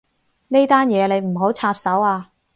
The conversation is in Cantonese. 呢單嘢你唔好插手啊